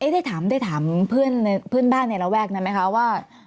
ได้ถามเพื่อนบ้านในระแวกนั้นไหมคะว่า